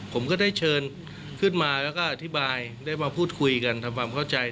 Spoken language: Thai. ผมก็ได้เชิญขึ้นมาแล้วก็อธิบายได้มาพูดคุยกันทำความเข้าใจ